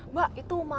mbak itu mas